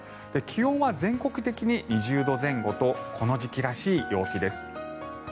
気温は全国的に２０度前後とこの時期らしい陽気です。